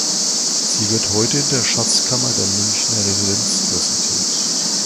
Sie wird heute in der Schatzkammer der Münchner Residenz präsentiert.